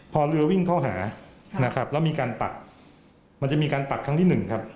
พอเรือวิ่งเข้าหานะครับแล้วมีการปักมันจะมีการปักครั้งที่หนึ่งครับ